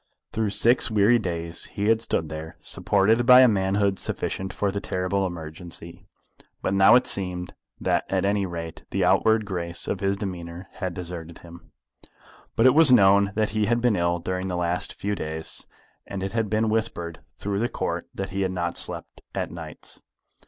Through six weary days he had stood there, supported by a manhood sufficient for the terrible emergency. But now it seemed that at any rate the outward grace of his demeanour had deserted him. But it was known that he had been ill during the last few days, and it had been whispered through the Court that he had not slept at nights.